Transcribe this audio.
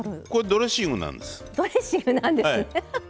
ドレッシングなんですね。